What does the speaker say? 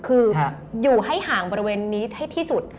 คืออยู่ให้ห่างบริเวณนี้ให้ที่สุด